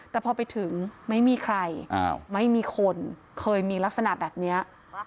แต่พอไปถึงไม่มีใครไม่มีคนเคยมีลักษณะแบบนี้